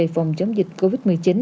phòng chống dịch covid một mươi chín